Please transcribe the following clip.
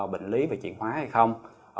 bệnh lý về triển hóa hay không